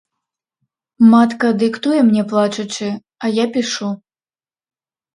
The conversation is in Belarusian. Матка дыктуе мне плачучы, а я пішу.